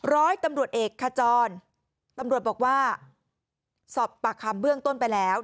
ร้อยตำรวจเอกขจรตำรวจบอกว่าสอบปากคำเบื้องต้นไปแล้ว